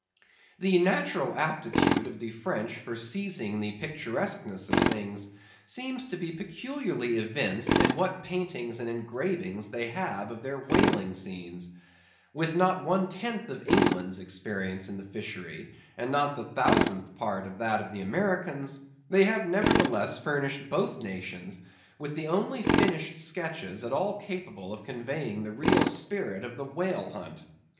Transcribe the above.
The natural aptitude of the French for seizing the picturesqueness of things seems to be peculiarly evinced in what paintings and engravings they have of their whaling scenes. With not one tenth of England's experience in the fishery, and not the thousandth part of that of the Americans, they have nevertheless furnished both nations with the only finished sketches at all capable of conveying the real spirit of the whale hunt.